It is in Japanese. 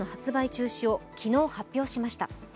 中止を昨日、発表しました。